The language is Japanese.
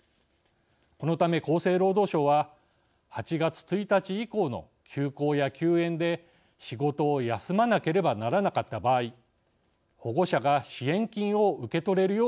このため厚生労働省は８月１日以降の休校や休園で仕事を休まなければならなかった場合保護者が支援金を受け取れるようにします。